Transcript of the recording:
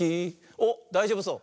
おっだいじょうぶそう。